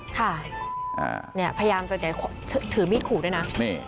ค่ะเนี่ยพยายามจะถือมีดขู่ด้วยนะ